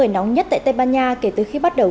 nóng nhất tại tây ban nha kể từ khi bắt đầu